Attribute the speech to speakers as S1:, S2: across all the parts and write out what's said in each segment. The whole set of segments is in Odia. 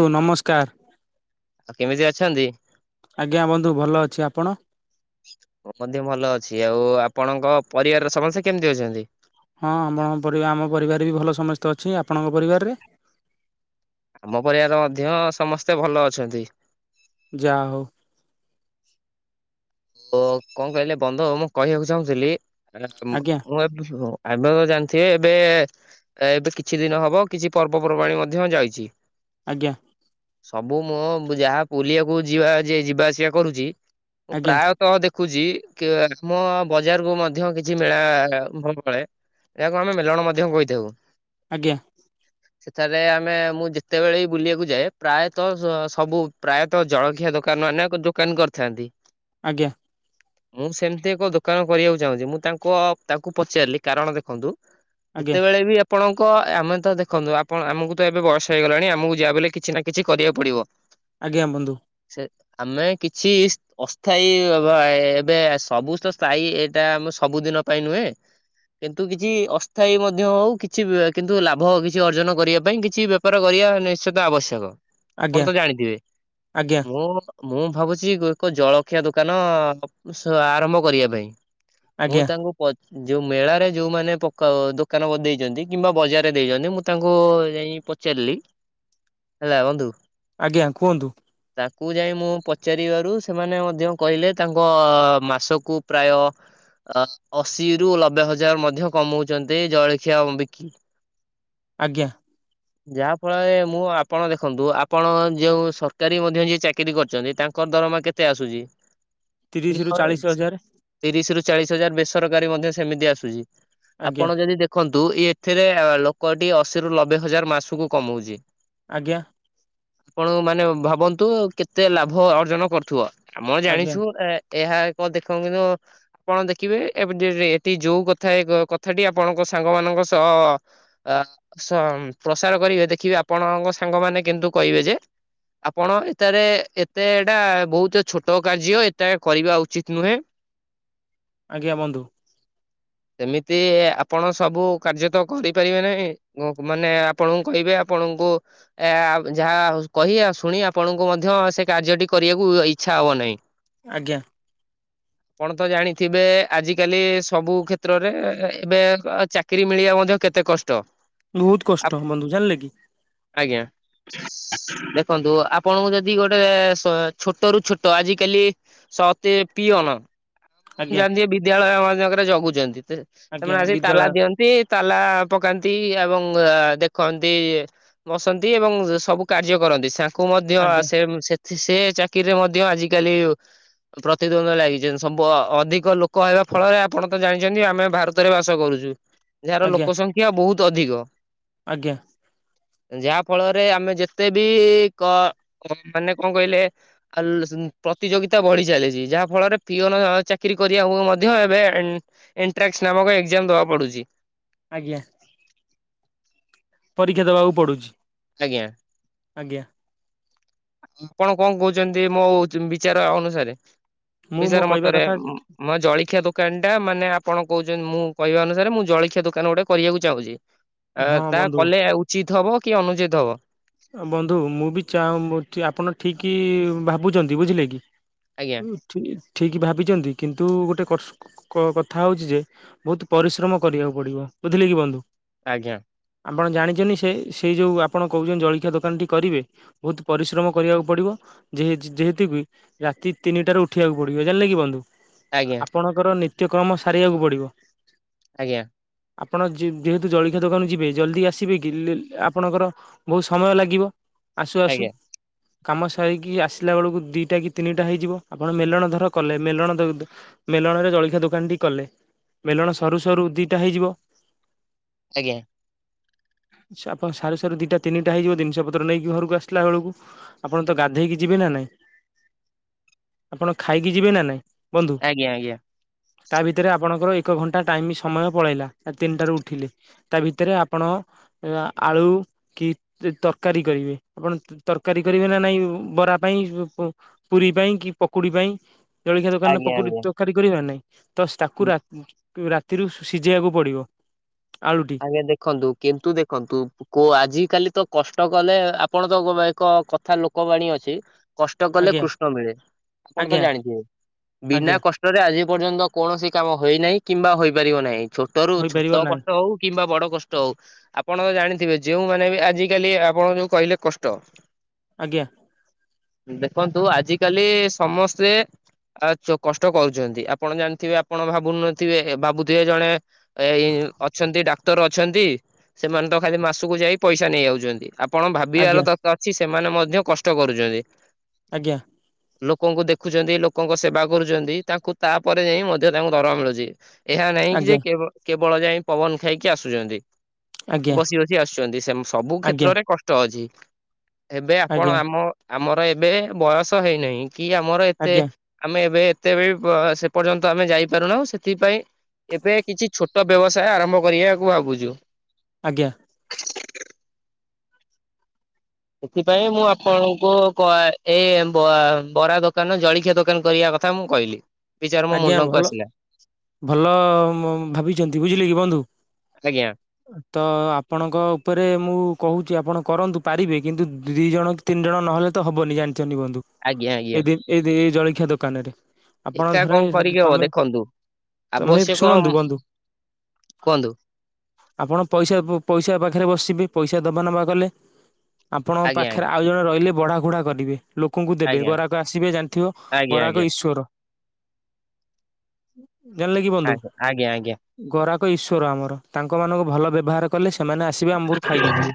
S1: ଟୁ ନମସ୍କାର।
S2: ଆଉ କେମିତି ଅଛନ୍ତି?
S1: ଆଜ୍ଞା ବନ୍ଧୁ ଭଲ ଅଛି। ଆପଣ?
S2: ମୁଁ ମଧ୍ୟ ଭଲ ଅଛି। ଆଉ ଆପଣଙ୍କ ପରିବାରରେ ସମସ୍ତେ କେମିତି ଅଛନ୍ତି?
S1: ହଁ ଆମ ଆମ ପରିବା ଆମ ପରିବାରରେ ବି ଭଲ ସମସ୍ତେ ଅଛି। ଆପଣଙ୍କ ପରିବାରରେ?
S2: ଆମ ପରିବାର ରେ ମଧ୍ୟ ସମସ୍ତେ ଭଲ ଅଛନ୍ତି।
S1: ଯାହା ହୋଉ।
S2: ଓ କଣ କହିଲେ ବନ୍ଧୁ ମୁଁ କହିବାକୁ ଚାହୁଁଥିଲି ମାନେ
S1: ଆଜ୍ଞା
S2: ମୁଁ ଏ ବ ଏବେ ତ ଜାଣିଥିବେ ଏବେ ଏବେ କିଛି ଦିନ ହବ କିଛି ପର୍ବପର୍ବାଣି ମଧ୍ୟ ଯାଇଛି।
S1: ଆଜ୍ଞା।
S2: ସବୁ ମୁଁ ଯାହା ବୁଲିଆକୁ ଯିବା ଯିଏ ଯିବା ଆସିବା କରୁଛି ମୁଁ
S1: ଆଜ୍ଞା
S2: ପ୍ରାୟତଃ ଦେଖୁଛି କି ଆମ ବଜାରକୁୁ ମଧ୍ୟ କିଛି ମେଳା ଭଲ ପଳେ ଏହାକୁ ଆମେ ମେଲଣ ମଧ୍ୟ କହିଥାଉ।
S1: ଆଜ୍ଞା।
S2: ସେଠାରେ ଆମେ ମୁଁ ଯେତେବେଳେ ବି ବୁଲିବାକୁ ଯାଏ ପ୍ରାୟତଃ ସ ସବୁ ପ୍ରାୟ ତ ଜଳଖିଆ ଦୋକାନ ମାନେ ଦୋକାନ କରିଥାନ୍ତି।
S1: ଆଜ୍ଞା।
S2: ମୁଁ ସେମିତି ଏକ ଦୋକାନ କରିବାକୁ ଚାହୁଁଛି। ମୁଁ ତାଙ୍କ ତାଙ୍କୁ ପଚାରିଲି କାରଣ ଦେଖନ୍ତୁ
S1: ଆଜ୍ଞା
S2: ଯେତେବେଳେ ବି ଆ ଆପଣଙ୍କ ଆମେ ତ ଦେଖନ୍ତୁ ଆପଣ ଆମକୁ ତ ଏବେ ବୟଷ ହେଇଗଲାଣି, ଆମକୁ ଯାହା ବି ହେଲେ କିଛି ନା କିଛି କରିବାକୁ ପଡିବ।
S1: ଆଜ୍ଞା ବନ୍ଧୁ।
S2: ସେ ଆମେ କିଛି ଅ ଥାଇ ହବା, ଏବେ ସବୁ ତ ସ୍ଥାୟୀ ଏଇଟା ଆମ ସବୁଦିନ ପାଇଁ ନୁହେଁ କିନ୍ତୁ କିଛି ଅସ୍ଥାୟୀ ମଧ୍ୟ ହଉ, କିଛି ବି କିନ୍ତୁ ଲାଭ କିଛି ଅର୍ଜନ କରିବା ପାଇଁ କିଛି ବ୍ୟ ବେପାର କରିବା ନିଶ୍ଚିତ ଆବଶ୍ୟକ। ଆପଣ
S1: ଆଜ୍ଞା
S2: ତ ଜାଣିଥିବେ?
S1: ଆଜ୍ଞା
S2: ମୁଁ ମୁଁ ଭାବୁଛି ଏକ ଜଳ ଜଳଖିଆ ଦୋକାନ ସ ଆରମ୍ଭ କରିବା ପାଇଁ। ମୁଁ
S1: ଆଜ୍ଞା
S2: ତାଙ୍କୁ ପ ଯୋଉ ମେଳାରେ, ଯଉମାନେ ପକାଅ ଦୋକାନ ବ ଦେଇଛନ୍ତି, କିମ୍ବା ବଜାରରେ ଦେଇଛନ୍ତି ମୁଁ ତାଙ୍କୁ ଯାଇଁ ପଚାରିଲି ହେଲା ବନ୍ଧୁ।
S1: ଆଜ୍ଞା କୁହନ୍ତୁ?
S2: ତାଙ୍କୁ ଯାଇ ମୁଁ ପଚାରିବାରୁ ସେମାନେ ମ ଯେ କହିଲେ ତାଙ୍କ ମାସକୁ ପ୍ରାୟ ଅ ଅଶିରୁ ଲବେ ହଜାର ମଧ୍ୟ କମଉଛନ୍ତି ଜଳଖିଆ ବିକି
S1: ଆଜ୍ଞା।
S2: ଯାହା ଫଳରେ, ମୁଁ ଆପଣ ଦେଖନ୍ତୁ ଆପଣ ଯେଉଁ ସରକାରୀ ମଧ୍ୟ ଯିଏ ଚାକିରି କରିଛନ୍ତି, ତାଙ୍କର ଦରମା କେ କେତେ ଆସୁଛି?
S1: ତିରିଶ ରୁ ଚାଳିଶ
S2: [unintelligible]
S1: ହଜାର
S2: ତିରିସି ରୁ ଚାଳିସି ହଜାର ବେସରକାରୀ ମଧ୍ୟ ସେମିତି ଆସୁଛି।
S1: ଆଜ୍ଞା
S2: ଆପଣ ଯଦି ଦେ ଦେଖନ୍ତୁ ଇଏ ଏଥିରେ ଲୋକଟି ଅଶୀରୁ ଲବେ ହଜାର ମାସକୁ କମଉଛି।
S1: ଆଜ୍ଞା।
S2: ଆପଣ ମାନେ ଭାବନ୍ତୁ କେତେ ଲାଭ ଅର୍ଜନ କରୁଥିବ? ଆମ
S1: ଆଜ୍ଞା
S2: ଜାଣିଛୁ ଏ-ଏହା ଏକ ଦେଖ କିନ୍ତୁ ଆପଣ ଦେଖିବେ ଏବ ଏଠି ଯୋଉ କଥା ଏ କ-କଥାଟି ଆପଣଙ୍କ ସାଙ୍ଗ ମାନଙ୍କ ସହ ଅ ପ୍ରସାର କରିବେ। ଦେଖିବେ ଆପଣଙ୍କ ସାଙ୍ଗମାନେ କେନ୍ତୁ କହିବେ ଯେ ଆପଣ ଏଠାରେ ଏତେ ଏଟା ବହୁତ ଛୋଟ କାର୍ଯ୍ୟ। ଏତ କରିବା ଉଚିତ୍ ନୁହେଁ।
S1: ଆଜ୍ଞା ବନ୍ଧୁ।
S2: ସେମିତି ଆପଣ ସବୁ କାର୍ଯ୍ୟ ତ କରିପାରିବେ ନାହିଁ। ମାନେ ଆପଣଙ୍କୁ କହିବେ ଆପଣଙ୍କୁ ଆ ଯାହା କହି ଆଉ ଶୁଣି ଆପଣଙ୍କୁ ମଧ୍ୟ ସେ କାର୍ଯ୍ୟଟି କରିବାକୁ ଇ ଇଛା ହବ ନାଇଁ।
S1: ଆଜ୍ଞା।
S2: ଆପଣ ତ ଜାଣିଥିବେ ଆଜିିକାଲି ସବୁ କ୍ଷେତ୍ରରେ ଏବେ ଅ ଚା କିରି ମିଳିବା ମଧ୍ୟ କେତେ କଷ୍ଟ।
S1: ବହୁତ କଷ୍ଟ ବନ୍ଧୁ ଜାଣିଲେ କି।
S2: ଆଜ୍ଞା ଦେଖନ୍ତୁ ଆପଣଙ୍କୁ ଯଦି ଗୋଟେ ସ ଏ ଛୋ ଛୋଟ ରୁ ଛୋଟ ଆଜିକାଲି ସ ଅତେ ପିଅନ ଆ
S1: ଆଜ୍ଞା
S2: ଜାଣିଥିବେ ବି ବିଦ୍ୟାଳୟ ମାନଙ୍କରେ ଜଗୁଛନ୍ତି ସେ
S1: ଆଜ୍ଞା
S2: ସେମାନେ ଆସିିକି ତାଲା
S1: ବିଦ୍ୟାଳୟ
S2: ଦିଅନ୍ତି। ତାଲା ପକାନ୍ତି ଏବଂ ଦେଖନ୍ତି ବସନ୍ତି ଏବଂ ସବୁ କାର୍ଯ୍ୟ କରନ୍ତି ସେ ତାଙ୍କୁ ମଧ୍ୟ
S1: ଆଜ୍ଞା
S2: ସେଥ ସେ ଚା କିରିରେ ମଧ୍ୟ ଆଜିକାଲି ପ୍ରତିଦ୍ୱନ୍ଦ୍ୱ ଲାଗିଚନ୍ତି ସୁ ଅଧିକ ଲୋକ ହେବା ଫଳରେ ଆପଣ ତ ଜାଣିଛନ୍ତି ଆମେ ଭାରତ ରେ ବାସ କରୁଛୁ ଯାହାର
S1: ଆଜ୍ଞା
S2: ଲୋକ ସଂଖ୍ୟା ବହୁତ ଅଧିକ।
S1: ଆଜ୍ଞା।
S2: ଯାହା ଫଳରେ ଆମେ ଯେତେ ବି କ କ ମାନେ କଣ କହିଲେ ଆ ଲୋସ ପ୍ରତିଯୋଗିତା ବଢି ଚାଲିଛି ଯାହା ଫଳରେ ପିଅନ ଚାକିରରି କରିବାକୁ ମଧ୍ୟ ଏବେ ଏଣ୍ଟ୍ରାସ ନାମକ ଏକ୍ଜାମ ଦବାକୁ ପଡୁଛି।
S1: ଆଜ୍ଞା। ପରୀକ୍ଷା ଦେବାକୁ ପଡ଼ୁଛି।
S2: ଆଜ୍ଞା।
S1: ଆଜ୍ଞା।
S2: ଆପଣ କଣ କହୁଛନ୍ତି ମୋ ବିଚାର ଅନୁସାରେ
S1: ମୁଁ ମୋ
S2: ବିଚାର
S1: କହିବା
S2: ମତରେ।
S1: କଥା
S2: ମୋ ଜଳଖିଆ ଦୋକାନ ଟା ମାନେ ଆପଣ କହୁଛନ୍ତି ମୁଁ କହିବା ଅନୁସାରେ ମୁଁ ଜଳଖିଆ ଦୋକାନ ଗୋଟେ କରିବାକୁ ଚାହୁଁଛି। ଅ
S1: ହଁ
S2: ତାହା
S1: ବନ୍ଧୁ
S2: କଲେ ଉଚିତ ହବ କି ଅନୁଚିତ ହବ।
S1: ବନ୍ଧୁ ମୁଁ ବି ଚାଁଉଚି ଆପଣ ଠିକ ଭାବୁଛନ୍ତି ବୁଝିଲେ କି
S2: ଆଜ୍ଞା
S1: ଠିକ ଠିକ୍ ଭାବିଚନ୍ତି କିନ୍ତୁ ଗୋଟେ କର୍ସ କ କଥା ହଉଚି ଯେ ବହୁତ ପରିଶ୍ରମ କରିବାକୁ ପଡିବ ବୁଝିଲେ କି ବନ୍ଧୁ।
S2: ଆଜ୍ଞା।
S1: ଆପଣ ଜାଣିଚନି ସେ ସେଇ ଯୋଉ ଆପଣ କହୁଛନ୍ତି ଜଳଖିଆ ଦୋକାନଟି କରିବେ। ବହୁତ ପରିଶ୍ରମ କରିବାକୁ ପଡିବ। ଯେହେ ଯେହେତୁ କି ରାତି ତିନିଟାରୁ ଉଠିବାକୁ ପଡିବ ଜାଣିଲେ କି ବନ୍ଧୁ।
S2: ଆଜ୍ଞା
S1: ଆପଣଙ୍କର ନିତ୍ୟକ୍ରମ ସାରିବାକୁ ପଡିବ।
S2: ଆଜ୍ଞା।
S1: ଆପଣ ଯେ ଯେହେତୁ ଜଳଖିଆ ଦୋକାନକୁ ଯିବେ ଜଲଦି ଆସିବେ କି ଲେ ଲେ ଆପଣଙ୍କର ବହୁ ସ ମୟ ଲାଗିବ ଆସୁ ଆସୁ।
S2: ଆଜ୍ଞା
S1: କାମ ସାରିକି ଆସିଲା ବେଳକୁ ଦିଇଟା କି ତିନିଟା ହେଇଯିବ ଆପଣ ମେଲଣ ଧର କଲେ ମେଲଣ ଧ ଧ ମେଲଣରେ ଜଳଖିଆ ଦୋକାନଟି କଲେ ମେଲଣ ସରୁ ସରୁ ଦିଟା ହେଇଯିବ
S2: ଆଜ୍ଞା।
S1: ଚ ଆପଣ ସାରୁ ସାରୁ ଦିଟା ତିନି ଟା ହେଇଯିବ ଜିନିଷ ପତ୍ର ନେଇକି ଘରକୁ ଆସିଲା ବଳକୁ ଆପଣ ତ ଗାଧେଇକି ଯିବେ ନା ନାଇଁ। ଆପଣ ଖାଇକି ଯିବେ ନା ନାଇଁ ବନ୍ଧୁ।
S2: ଆଜ୍ଞା ଆଜ୍ଞା ଆଜ୍ଞା
S1: ତା ଭିତରେ ଆପଣଙ୍କର ଏକ ଘଣ୍ଟା ଟାଇମ ସମୟ ପଳେଇଲା ଆ ତିନିଟାରୁ ଉଠିଲେ। ତା ଭିତରେ ଆପଣ ଅ ଆଳୁ କି ତରକାରୀ କରିବେ ଆପଣ ତରକାରୀ କରିବେ ନା ନାଇଁ ବରା ପାଇଁ ପୁରୀ ପାଇଁ କି ପକୁଡି ପାଇଁ। ଜଳଖିଆ ଦୋକାନ
S2: ଆଜ୍ଞା ଆଜ୍ଞା
S1: ତକାରୀ କରିବ ନାହିଁ ତ ତାକୁ ରାତିରୁ ସିଝେଇବାକୁ ପଡି଼ବ ଆଳୁଟି
S2: ଆଜ୍ଞା ଦେଖନ୍ତୁ କେମ୍ତି ଦେଖନ୍ତୁ। କୋ ଆଜି କାଲି ତ କଷ୍ଟ କଲେ ଆପଣ ତ ଏକ କଥା ଲୋକବାଣୀ ଅଛି। କଷ୍ଟ କଲେ
S1: ଆଜ୍ଞା
S2: କୃଷ୍ଣ ମିଳେ ଆପଣ ତ
S1: ଆଜ୍ଞା
S2: ଜାଣିଥିବେ ବିନା
S1: ଆଜ୍ଞା
S2: କଷ୍ଟ ଆଜି ପର୍ଯ୍ୟନ୍ତ କୌଣସି କାମ ହୋଇନାହିଁ କିମ୍ବା ହୋଇପାରିବ ନାହିଁ ଛୋଟରୁୁ ଛୋଟ
S1: ହୋଇପାରିବ ନାହିଁ
S2: କଷ୍ଟ ହଉ କିମ୍ବା ବଡ଼ କଷ୍ଟ ହଉ। ଆପଣ ତ ଜାଣିଥିବେ ଯୋଉମାନେ ବି ଆଜିକାଲି ଆପଣ ଯୋଉ କହିଲେ କଷ୍ଟ
S1: ଆଜ୍ଞା।
S2: ଦେଖନ୍ତୁ ଆଜିକାଲି ସମସ୍ତେ ଆଉ କଷ୍ଟ କରୁଛନ୍ତି ଆପଣ ଜାଣିଥିବେ ଆପଣ ଭାବୁନଥିବେ ଭାବୁଥିବେ ଜଣେ ଏଇ ଅଛନ୍ତି ଡାକ୍ ଡକ୍ତର ଅଛନ୍ତି ସେମାନେ ତ ଖାଲି ମାସକୁ ଯାଇ ପଇସା ନେଇଯାଉଛନ୍ତି ଆପଣ
S1: ଆଜ୍ଞା
S2: ଭାବିବାର ଦର ଅଛି ସେମାନେ ମଧ୍ୟ କଷ୍ଟ କରୁଛନ୍ତି।
S1: ଆଜ୍ଞା।
S2: ଲୋକଙ୍କୁ ଦେଖୁଛନ୍ତି ଲୋକଙ୍କ ସେବା କରୁଛନ୍ତି ତାଙ୍କୁ ତାପରେ ଯାଇ ମଧ୍ୟ ତାଙ୍କୁ ଦରମା ମିଳୁଛି। ଏହା ନାହିଁ କି ଯେ
S1: ଆଜ୍ଞା
S2: କେବଳ ଯାଇ ପବନ ଖାଇକି ଆସୁଛନ୍ତି।
S1: ଆଜ୍ଞା
S2: ବସି ବସି ଆସୁଛନ୍ତି ସେମିତି ସବୁ
S1: ଆଜ୍ଞା
S2: କ୍ଷେତ୍ରରେ କଷ୍ଟ ଅଛି। ଏବେ
S1: ଆଜ୍ଞା
S2: ଆପଣ ଆମ ଆମର ଏବେ ବୟସ ହେଇନାହିଁ କି ଆମର ଏତେ
S1: ଆଜ୍ଞା ଆଜ୍ଞା
S2: ଆମେ ଏବେ ଏତେବି ସେତେ ପର୍ଯ୍ୟନ୍ତ ଆମେ ଯାଇପାରୁନାହୁ ସେଥିପାଇଁ। ଏବେ କିଛି ଛୋଟ ବ୍ୟବସାୟ ଆରମ୍ଭ କରିବାକୁ ଭାବୁଛୁ।
S1: ଆଜ୍ଞା।
S2: ସେଥିପାଇଁ ମୁଁ ଆପଣଙ୍କୁ ଏଇ ବ ବରା ଦୋକାନ ଜଳଖିଆ ଦୋକାନ କରିବା କଥା କଥା ମୁଁ କହିଲି। ବିଚାର ମୋ
S1: ଆଜ୍ଞା
S2: ମୁଣ୍ଡକୁ
S1: ଭଲ
S2: ଆସିଲା
S1: ଭଲ ଭାବିଛନ୍ତି ବୁଝିଲେ କି ବନ୍ଧୁ।
S2: ଆଜ୍ଞା
S1: ତ ଆପଣଙ୍କ ଉପରେ ମୁଁ କହୁଛି ଆପଣ କରନ୍ତୁ ପାରିବେ କିନ୍ତୁ ଦି ଜଣ ତିନି ଜଣ ନହେଲେ ତ ହବନି ଜାଣିଛନି ବନ୍ଧୁ
S2: ଆଜ୍ଞା ଆଜ୍ଞା।
S1: ଏ ଏଇ ଜଳଖିଆ ଦୋକାନରେ ଆପଣ
S2: ଏକା
S1: ଧରେ
S2: କଣ କରିକି ହବ
S1: ତମେ
S2: ଦେଖନ୍ତୁ
S1: ତମେ
S2: ଆବଶ୍ୟକ
S1: ଶୁଣନ୍ତୁ ବନ୍ଧୁ।
S2: କୁହନ୍ତୁ
S1: ଆପଣ ପଇସାଉ ପଇସା ପାଖରେ ବସିବେ ପଇସା ଦେବା ନେବା କଲେ। ଆପଣଙ୍କ
S2: ଆଜ୍ଞା ଆଜ୍ଞା
S1: ପାଖରେ ଆଉ ଜଣେ ରହିଲେ ବଢ଼ା କୁଢ଼ା କରିବେ। ଲୋକଙ୍କୁ ଦେବେ
S2: ଆଜ୍ଞା
S1: ଗରାକ ଆସିବେ ଜାଣିଥିବ
S2: ଆଜ୍ଞା ଆଜ୍ଞା
S1: ଗରାକ ଈଶ୍ୱର। ଜାଣିଲେ କି ବନ୍ଧୁ
S2: ଆଜ୍ଞା ଆଜ୍ଞା
S1: ଗରାକ ଈଶ୍ଵର ଆମର ତାଙ୍କ ମାନଙ୍କୁ ଭଲ ବ୍ୟବହାର କଲେ ସେମାନେ ଆସିବେ ଆମ୍ବରୁ ଖାଇକି ଯିବେ।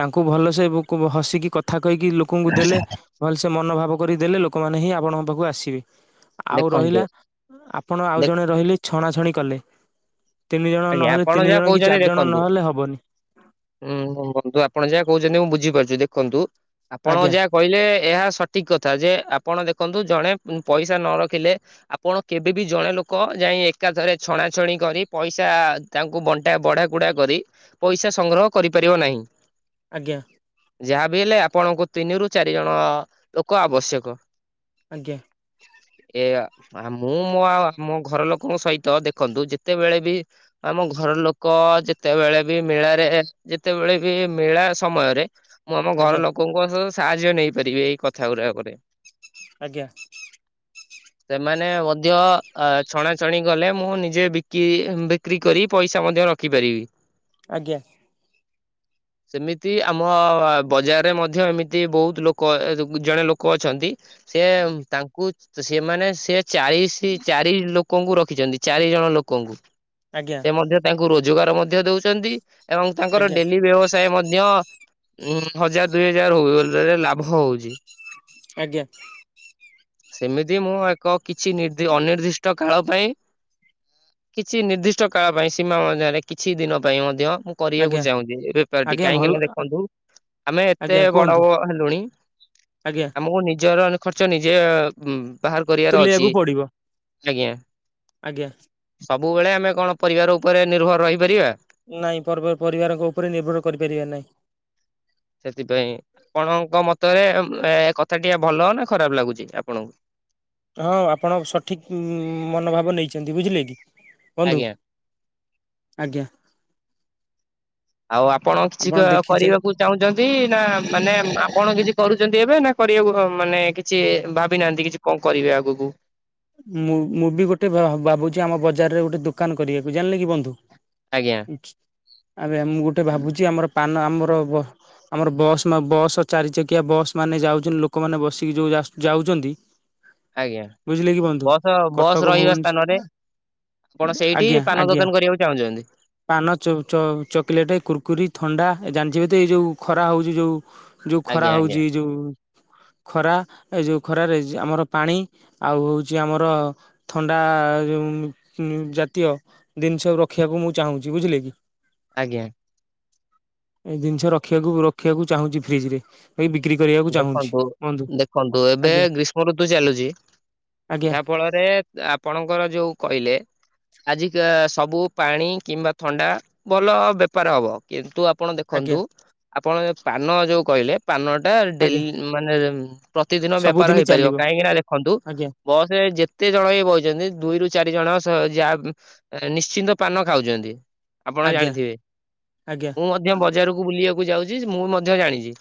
S1: ତାଙ୍କୁ ଭଲସେ ବୁ କୁ ହସିକି କଥା କହିକି ଲୋକଙ୍କୁ ଦେଲେ ଭଲ୍ ସେ ମନୋଭାବ କରି ଦେଲେ ଲୋକମାନେ ହିଁ ଆପଣଙ୍କ ପାଖକୁ ଆସିବେ। ଆଉ
S2: ଦେଖନ୍ତୁ
S1: ରହିଲା ଆପଣ ଆଉ ଜଣେ ରହିଲେ ଛଣାଛଣି କଲେ। ତିନି ଜଣ
S2: ଆଜ୍ଞା
S1: ନହଲେ
S2: ଆପଣ
S1: ତିନି ଜଣ କି ଚାରି ଜଣ ନହେଲେ ହବନି।
S2: ହୁଁ ବନ୍ଧୁ ଆପଣ ଯାହା କହୁଛନ୍ତି ମୁଁ ବୁଝିପାରୁଛି ଦେଖନ୍ତୁ ଆପଣଙ୍କ
S1: ଆଜ୍ଞା
S2: ଯାହା କହିଲେ ଏହା ସଠିକ୍ କଥା ଯେ ଆପଣ ଦେଖନ୍ତୁ ଜଣେ ପଇସା ନ ରଖିଲେ ଆପଣ କେବେ ବିି ଜଣେ ଲୋକ ଯାଇଁ ଏକାଥରେ ଛଣାଛଣି କରି ପଇସା କା ତାଙ୍କୁ ବଣ୍ଟା ବଢ଼ା କୁଢ଼ା କରି ପଇସା ସଂଗ୍ରହ କରିପାରିବ ନାହିଁ।
S1: ଆଜ୍ଞା।
S2: ଯାହାବି ହେଲେ ଆପଣଙ୍କୁ ତିନିରୁ ଚାରି ଜଣଅ ଲୋକ ଆବଶ୍ୟକ।
S1: ଆଜ୍ଞା।
S2: ଏ ମୁଁ ମୋ ଆଉ ମୋ ଘର ଲୋକଙ୍କ ସହିତ ଦେଖନ୍ତୁ ଯେତେବେଳେ ବି ଆମ ଘର ଲୋକ ଯେତେବେଳେ ବି ମେଳାରେ ଯେତେବେଳେ ବି ମେଳା ସମୟରେ ମୁଁ ଆମ
S1: ଆଜ୍ଞା
S2: ଘର ଲୋକଙ୍କ ସହ ସାହାର୍ଯ୍ୟ ନେଇପାରିବି ଏଇ କଥା ଗୁରାକରେ।
S1: ଆଜ୍ଞା।
S2: ସେମାନେ ମଧ୍ୟ ଅ ଛଣାଛଣି ଗଲେ ମୁଁ ନିଜେ ବିକି ଉଁ ବି ବିକ୍ରି କରି ପଇସା ମଧ୍ୟ ରଖିପାରିବି।
S1: ଆଜ୍ଞା।
S2: ସେମିତି ଆମ ବଜାରରେ ମଧ୍ୟ ଏମିତି ବହୁତ ଲୋକ ଅ ଜଣେ ଲୋକ ଅଛନ୍ତି। ସେ ତାଙ୍କୁ ସେମାନେ ସେ ଚଳିଶ ଚାରି ଲୋ ଲୋକଙ୍କୁ ରଖିଛନ୍ତି ଚାରି ଜଣ ଲୋକଙ୍କୁ
S1: ଆଜ୍ଞା।
S2: ସେ ମଧ୍ୟ ତାଙ୍କୁ ରୋଜଗାର ମଧ୍ୟ ଦଉଛନ୍ତି ଏବଂ ତାଙ୍କର
S1: ଆଜ୍ଞା
S2: ଡେଲି ବ୍ୟବସ ମଧ୍ୟ ଉ ହଜାର ଦୁଇ ହଜାର ହଉ ଲାଭ ହଉଛି।
S1: ଆଜ୍ଞା।
S2: ସେମିତି ମୁଁ ଏକ କିଛି ନିଦ ଅନିର୍ଦ୍ଦିଷ କାଳ ପାଇଁ କିଛି ନିର୍ଦ୍ଦିଷ୍ କଷ୍ଟ କାଳ ପାଇଁ ସୀମା ମଧ୍ୟରେ କିଛି ଦିନ ପାଇଁ ମଧ୍ୟ ଉଁ କରିବାକୁ
S1: ଆଜ୍ଞା
S2: ଚାହୁଁଛି ଏ ବେପାରଟି
S1: ଆଜ୍ଞା ଭଲ
S2: କାହିଁକି ନା ଦେଖନ୍ତୁ ଆମେ ଏତେ
S1: ଆଜ୍ଞା
S2: ବଡ
S1: କୁହନ୍ତୁ
S2: ହେଲୁଣି
S1: ଆଜ୍ଞା
S2: ଆମକୁ ନିଜର ଖର୍ଚ୍ଚ ନିଜେ ଉଁ ବାହାର କରିବାର
S1: ତୁଲେଇବାକୁ
S2: ଅଛି
S1: ପଡିବ
S2: ଆଜ୍ଞା।
S1: ଆଜ୍ଞା।
S2: ସବୁବେଳେ ଆମେ କଣ ପରିବାର ଉପରେ ନିର୍ଭର ରହିପାରିବା।
S1: ନାଇଁ ପର୍ବ ପରିବାରଙ୍କ ଉପରେ ନିର୍ଭର କରିପାରିବା ନାହିଁ।
S2: ସେଥିପାଇଁ ଆପଣଙ୍କ ମତରେ ଏ କଥା ଟି ଭଲ ନା ଖରାପ ଲାଗୁଛି ଆପଣଙ୍କୁ?
S1: ହଁ ଆପଣ ସଠିକ ଉଁ ମନୋଭାବ ନେଇଛନ୍ତି ବୁଝିଲେ କି ବନ୍ଧୁ?
S2: ଆଜ୍ଞା।
S1: ଆଜ୍ଞା।
S2: ଆଉ ଆପଣ କିଛି କା-କରିବାକୁ ଚାହୁଁଛନ୍ତି ନା ମାନେ ଆପଣ କିଛି କରୁଛନ୍ତି ଏବେ ନା କରିବାକୁ ହଁ ମାନେ କିଛିଉଁ ଭାବି ନାହାନ୍ତି କିଛି କଣ କରିବେ ଆଗକୁ?
S1: ମୁଁ ମୁଁ ବି ଗୋଟେ ଭା-ଭାବୁଛି ଆମ ବଜାରରେ ଗୋଟେ ଦୋକାନ କରିବାକୁ ଜାଣିଲେ କି ବନ୍ଧୁ?
S2: ଆଜ୍ଞା।
S1: ଏବେ ମୁଁ ଗୋଟେ ଭାବୁଛି ଆମର ପାନ ଆମର ବ ଆମର ବସ୍ ନା ବସ୍ ଚାରି ଚକିଆ ବସ୍ ମାନେ ଯାଉଛନ୍ତି ଲୋକମାନେ ବସିକି ଯୋଉ ଆସ ଯାଉଛନ୍ତି
S2: ଆଜ୍ଞା।
S1: ବୁଝିଲେ କି ବ ନ୍ଧୁ
S2: ବସ୍ ବସ୍
S1: କଟକ
S2: ରହିବା ସ୍ଥାନରେ
S1: ଭୁବେନ୍ସ
S2: ଆପଣ ସେଇଠି
S1: ଆଜ୍ଞା
S2: ପାନ
S1: ଆଜ୍ଞା।
S2: ଦୋକାନ କରିବାକୁ ଚାହୁଁଛନ୍ତି
S1: ପାନ ଚ-ଚ-ଚକିଲେଟ କୁୁରକୁରି ଥଣ୍ଡା ଏ ଜାଣିଥିବ ତ ଏଇ ଯୋଉ ଖରା ହଉଛି ଯୋଉ ଯୋଉ ଖରା
S2: ଆଜ୍ଞା
S1: ହଉଛି
S2: ଆଜ୍ଞା।
S1: ଏ ଯୋଉ ଖରା ଏ ଯଉ ଖରାରେ ଜେ ଆମର ପାଣି ଆଉ ହଉଛି ଆମର ଥଣ୍ଡା ଉଁ ଜାତୀୟ ଜିନିଷ ରଖିବାକୁ ମୁଁ ଚାହୁଁଛି ବୁଝିଲେ କି?
S2: ଆଜ୍ଞା।
S1: ଏ ଜିନିଷ ରଖିବାକୁ ରଖିବାକୁ ଚାହୁଁଛି ଫ୍ରିଜରେ ଏ ବିକ୍ରି କରିବା
S2: ଦେଖନ୍ତୁ ଦେଖନ୍ତୁ ଏବେ ଗ୍ରୀଷ୍ମ ଋତୁ ଚାଲୁଛି
S1: ଆଜ୍ଞା
S2: ଯାହା ଫଳରେ ଯା ଆପଣଙ୍କର ଯୋଉ କହିଲେ ଆଜିିକ ସବୁ ପାଣି କିମ୍ବା ଥଣ୍ଡା ଭଲ ବେ ପାର ହବ କିନ୍ତୁ ଆପଣ
S1: ଆଜ୍ଞା
S2: ଦେଖନ୍ତୁ ଆପଣ ପାନ ଯୋଉ କହିଲେ ପାନଟା ଡେଲି
S1: ଆଜ୍ଞା
S2: ମାନେ ଉ ପ୍ରତିଦିନ ବେପାର
S1: ସବୁଦିନ
S2: ହେଇପାରିବ
S1: ଚାଲିବ
S2: କାହିଁକି ନା ଦେଖନ୍ତୁ
S1: ଆଜ୍ଞା
S2: ବସରେ ଯେତେ ଜଣ ବି ବଇଚନ୍ତି ଦୁଇରୁୁ ଚାରିଜଣ ସ ଯା ନିଶ୍ଚିନ୍ତ ପାନ ଖାଉଛନ୍ତି, ଆପଣ
S1: ଆଜ୍ଞା
S2: ଜାଣିଥିବେ
S1: ଆଜ୍ଞା।
S2: ମୁଁ ମଧ୍ୟ ବଜାରକୁ ବୁଲିଆକୁ ଯାଉଛି ମୁଁ ମଧ୍ୟ ଜାଣିଚି।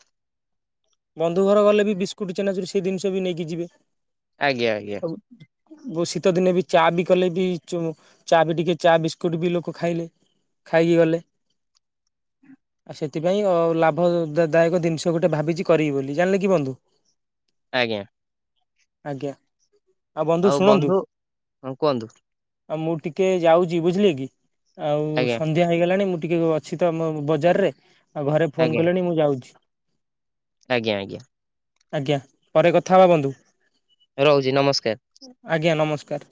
S1: ବନ୍ଧୁ ଘର ଗଲେ ବି ବିସ୍କୁଟ ଚେନାଚୁର ସେ ଜିନିଷ ବି ନେଇକି ଯିବେ।
S2: ଆଜ୍ଞା ଆଜ୍ଞା।
S1: ବୋଉ ଶୀତ ଦିନେ ବି ଚା ବି କଲେ ବି ଚୁମୁ ଚା ବି ଟିକେ ଚା ବିସ୍କୁଟ ବି ଲୋକ ଖାଇଲେ ଖାଇକି ଗଲେ। ଆଉ ସେଥିପାଇଁ ଅ ଲାଭ ଦା ଦାୟକ ଜିନିଷ ଗୋଟେ ଭାବିଚି କରିବି ବୋଲି ଜାଣିଲେ କି ବନ୍ଧୁ।
S2: ଆଜ୍ଞା।
S1: ଆଜ୍ଞା ଆଉ ବନ୍ଧୁ ଶୁଣନ୍ତୁ।
S2: ହଁ କୁହନ୍ତୁ
S1: ଆଉ ମୁଁ ଟିକେ ଯାଉଚି ବୁଝିଲେ କି ଆଉ ସନ୍
S2: ଆଜ୍ଞା
S1: ସଂଧ୍ୟା ହେଇଗଲାଣି ମୁଁ ଟିକେ ଅଛି ତ ମ ବଜାରରେ ଆଉ ଘରେ ଫୋନ
S2: ଆଜ୍ଞା
S1: କଲେଣି ମୁଁ ଯାଉଛି।
S2: ଆଜ୍ଞା ଆଜ୍ଞା।
S1: ଆଜ୍ଞା ପରେ କଥା ହେବା ବନ୍ଧୁ।
S2: ରଉଚି ନମସ୍କାର।
S1: ଆଜ୍ଞା ନମସ୍କାର।